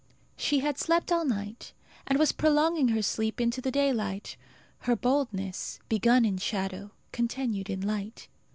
She had slept all night, and was prolonging her sleep into the daylight; her boldness, begun in shadow, continued in light.